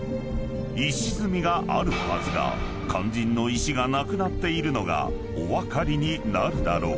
［石積みがあるはずが肝心の石がなくなっているのがお分かりになるだろうか？］